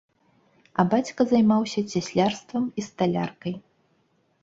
А бацька займаўся цяслярствам і сталяркай.